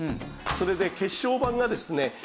それで血小板がですね